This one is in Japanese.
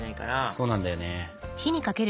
そうなんだよね。